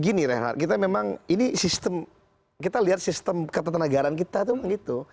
gini rehar kita memang ini sistem kita lihat sistem ketentenagaran kita itu memang gitu